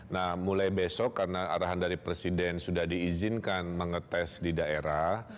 nah mulai besok karena arahan dari presiden sudah diizinkan mengetes di daerah